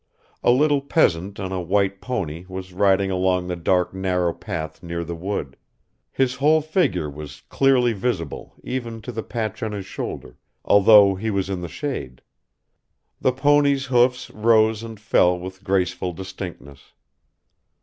A little peasant on a white pony was riding along the dark narrow path near the wood; his whole figure was clearly visible even to the patch on his shoulder, although he was in the shade; the pony's hoofs rose and fell with graceful distinctness.